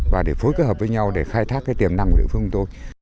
và để phối kết hợp với nhau để khai thác cái tiềm năng của địa phương của tôi